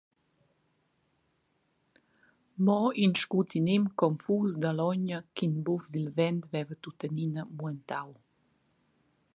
Mo in scutinem confus dall’ogna ch’in buf dil vent veva tuttenina muentau.